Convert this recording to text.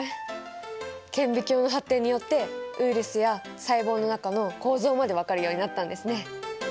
顕微鏡の発展によってウイルスや細胞の中の構造まで分かるようになったんですね。